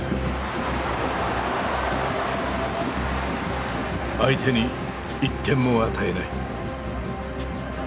相手に１点も与えない。